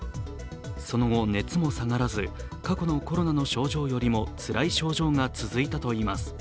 その後、熱も下がらず、過去のコロナの症状よりもつらい症状が続いたといいます。